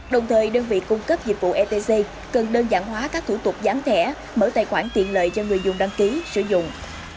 đồng thời đơn vị cung cấp dịch vụ etc cần đơn giản hóa các thủ tục gián thẻ mở tài khoản tiện lợi cho người dùng đăng ký sử dụng